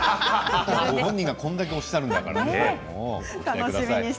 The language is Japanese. ご本人がこれだけおっしゃるんですから。